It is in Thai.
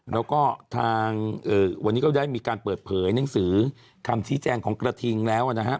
แล้วก็ทางวันนี้ก็ได้มีการเปิดเผยหนังสือคำชี้แจงของกระทิงแล้วนะครับ